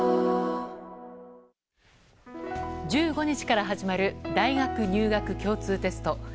１５日から始まる大学入学共通テスト。